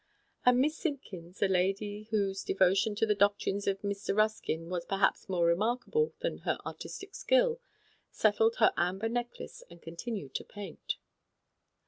And Miss Simpkins, a lady whose devotion THE CENTRAL LONDON SCHOOL OF ART. 91 to the doctrines of Mr. Ruskin was perhaps more remarkable than her artistic skill, settled her amber necklace and continued to paint.